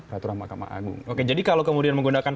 peraturan mahkamah agung oke jadi kalau kemudian menggunakan